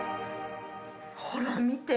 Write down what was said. ほら見て。